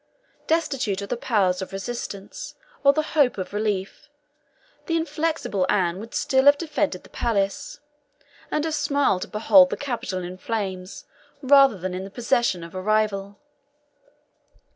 Destitute of the powers of resistance, or the hope of relief, the inflexible Anne would have still defended the palace, and have smiled to behold the capital in flames, rather than in the possession of a rival.